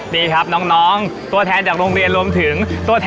ได้ครับน้องตัวแทนจากโรงเรียนรวมถึง